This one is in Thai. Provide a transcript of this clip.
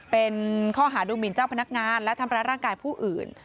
เป็นข้อหาดูหมินเจ้าพนักงานและทำร้ายร่างกายผู้อื่น